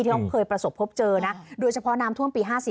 ที่เขาเคยประสบพบเจอโดยเฉพาะน้ำท่วมปี๑๙๕๔